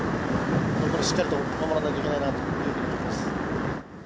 しっかりと守らないといけないなというふうに思いますね。